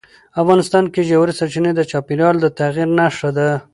افغانستان کې ژورې سرچینې د چاپېریال د تغیر نښه ده.